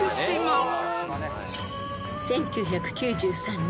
［１９９３年